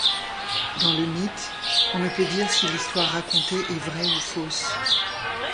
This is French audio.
Dans le mythe, on ne peut dire si l’histoire racontée est vraie ou fausse.